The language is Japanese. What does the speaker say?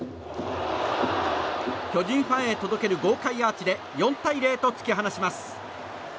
巨人ファンへ届ける豪快アーチで４対０と突き放します。